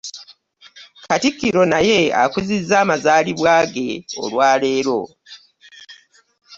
Katikkiro naye akuzizza amazaalibwa ge olwa leero